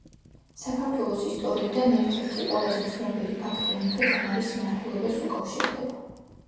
საქართველოს ისტორიიდან ერთ-ერთი ყველაზე ცნობილი ფაქტი მეფე თამარის მმართველობას უკავშირდება